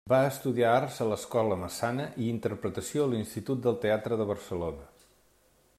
Va estudiar arts a l'Escola Massana i interpretació a l'Institut del Teatre de Barcelona.